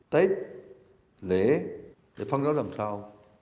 tết lễ đề phong đó làm sao